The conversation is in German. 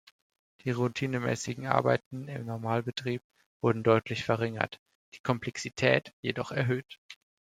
Die routinemäßigen Arbeiten im Normalbetrieb wurden deutlich verringert, die Komplexität jedoch erhöht.